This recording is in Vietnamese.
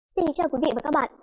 xin chào quý vị và các bạn